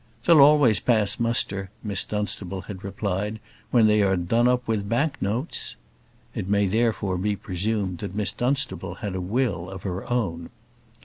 "They'll always pass muster," Miss Dunstable had replied, "when they are done up with bank notes." It may therefore be presumed that Miss Dunstable had a will of her own.